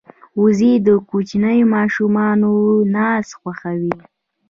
وزې د کوچنیو ماشومانو ناز خوښوي